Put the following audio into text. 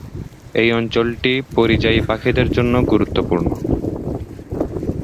এই অঞ্চলটি পরিযায়ী পাখিদের জন্য গুরুত্বপূর্ণ।